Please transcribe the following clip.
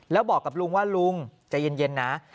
แล้วบอกกับลุงว่าลุงใจเย็นนะ